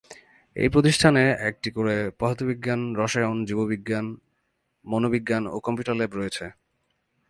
এই প্রতিষ্ঠানে একটি করে পদার্থবিজ্ঞান, রসায়ন, জীববিজ্ঞান, মনোবিজ্ঞান ও কম্পিউটার ল্যাব রয়েছে।